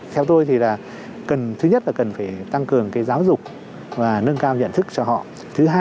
theo tôi thì là thứ nhất là cần phải tăng cường cái giáo dục và nâng cao nhận thức cho họ